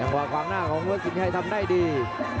เองบอกขวางหน้าของเวลาสินใจทำได้ดี